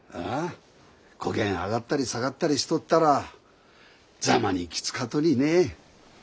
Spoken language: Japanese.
こげん上がったり下がったりしとったらざまにきつかとにね。